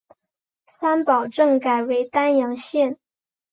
三堡镇改为丹阳县。